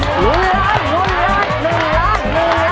ลุนล้าน